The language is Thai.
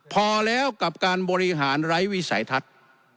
พอแล้วกับการบริหารไร้วิสัยทัศน์